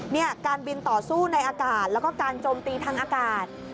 นี่การบินต่อสู้ในอากาศแล้วก็การโจมตีทางอากาศ